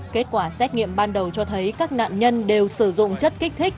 kết quả xét nghiệm ban đầu cho thấy các nạn nhân đều sử dụng chất kích thích